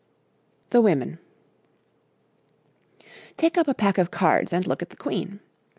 THE WOMEN Take up a pack of cards and look at the queen.